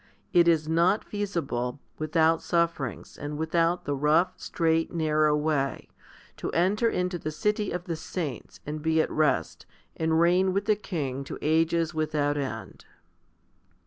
It is not feasible, without sufferings, and without the rough, straight, narrow way, to enter into the city of the saints, and be at rest, and reign with the King to ages without end.